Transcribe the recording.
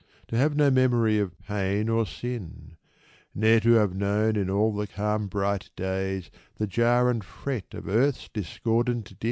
To have no memory of pain or sin ? Ne'er to have known in all the calm, bright days, The jar and fret of earth's discordant din